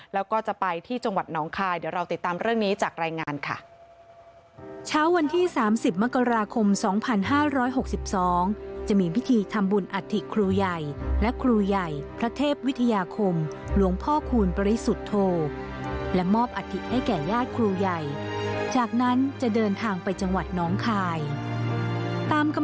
แล้วก็จะไปที่จังหวัดหนองคายเดี๋ยวเราติดตามเรื่องนี้จากรายงานค่ะ